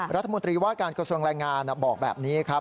รัฐมนตรีว่าการกระทรวงแรงงานบอกแบบนี้ครับ